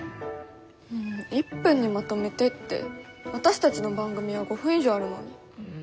１分にまとめてって私たちの番組は５分以上あるのに。